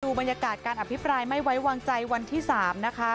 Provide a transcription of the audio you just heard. บรรยากาศการอภิปรายไม่ไว้วางใจวันที่๓นะคะ